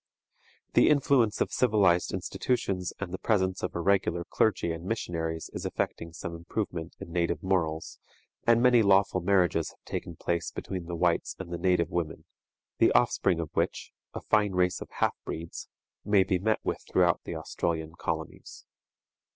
The influence of civilized institutions and the presence of a regular clergy and missionaries is effecting some improvement in native morals, and many lawful marriages have taken place between the whites and the native women, the offspring of which a fine race of half breeds may be met with throughout the Australian colonies.